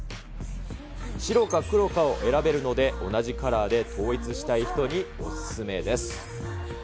白か黒かを選べるので、同じカラーで統一したい人にお勧めです。